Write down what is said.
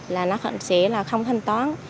là nó sẽ là không thanh toán